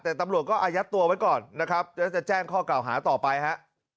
แต่ตำรวจก็อายัดตัวไว้ก่อนนะครับแล้วจะแจ้งข้อกล่าวหาต่อไปฮะ